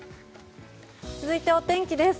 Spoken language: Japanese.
続いてお天気です。